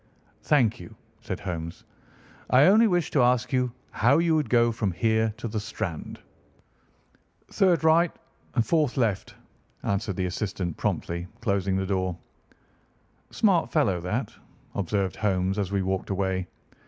"Thank you," said Holmes, "I only wished to ask you how you would go from here to the Strand." "Third right, fourth left," answered the assistant promptly, closing the door. "Smart fellow, that," observed Holmes as we walked away.